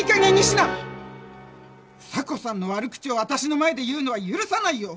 房子さんの悪口をあたしの前で言うのは許さないよ！